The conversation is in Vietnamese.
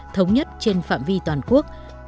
thống nhất trên phạm vi toàn quốc